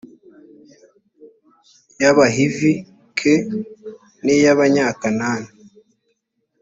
y abahivi k n iy abanyakanani